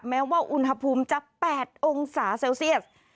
แม้ว่าอุณหภูมิจะ๘องศาเซลเซียส